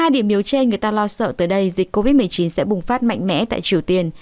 hai điểm yếu trên người ta lo sợ tới đây dịch covid một mươi chín sẽ bùng phát mạnh mẽ tại triều tiên